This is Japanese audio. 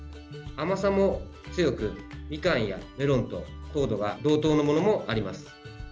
甘さも強く、みかんやメロンと糖度が同等のものもあります。